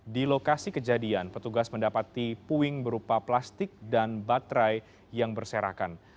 di lokasi kejadian petugas mendapati puing berupa plastik dan baterai yang berserakan